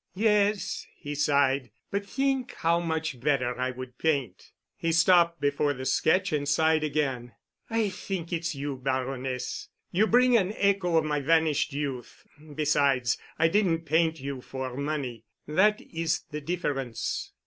"Yes," he sighed, "but think how much better I would paint." He stopped before the sketch and sighed again. "I think it's you, Baroness. You bring an echo of my vanished youth. Besides, I didn't paint you for money. That is the difference."